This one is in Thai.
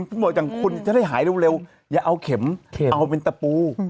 ที่บอกจังคุณเธอจะหายเร็วอย่าเอาเข็มเอาเป็นตะปู